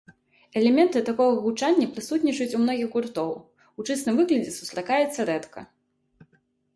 Элементы такога гучання прысутнічаюць у многіх гуртоў, у чыстым выглядзе сустракаецца рэдка.